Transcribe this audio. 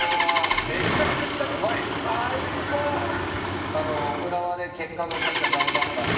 めちゃくちゃうまいですよ最高えっ！